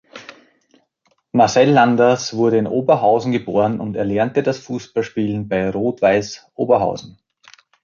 Marcel Landers wurde in Oberhausen geboren und erlernte das Fußballspielen bei Rot-Weiß Oberhausen.